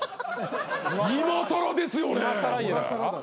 いまさらですよね。